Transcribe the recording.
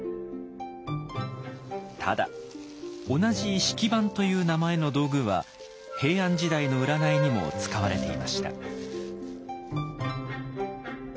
ただ同じ「式盤」という名前の道具は平安時代の占いにも使われていました。